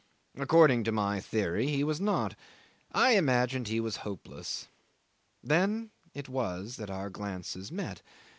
According to my theory he was not. I imagined he was hopeless. Then it was that our glances met.